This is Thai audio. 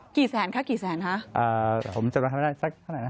กี่แสนคะกี่แสนฮะผมจำได้ครับสักเท่านั้นนะ